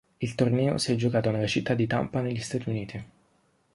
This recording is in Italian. Il torneo si è giocato nella città di Tampa negli Stati Uniti.